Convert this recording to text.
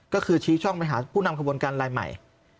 ก็คือชี้ช่องไปหาผู้นำขบวนการลายใหม่